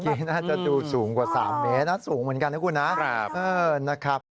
เมื่อกี้น่าจะดูสูงกว่า๓เมตรนะสูงเหมือนกันนะคุณนะ